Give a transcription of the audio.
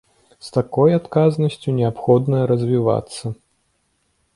З такой адказнасцю неабходна развівацца!